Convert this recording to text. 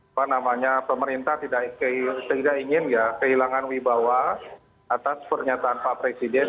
apa namanya pemerintah sehingga ingin kehilangan wibawa atas pernyataan pak presiden